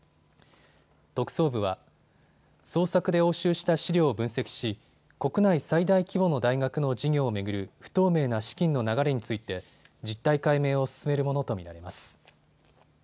特捜部は捜索で押収した資料を分析し国内最大規模の大学の事業を巡る不透明な資金の流れについて実態解明を進めるものと見られます。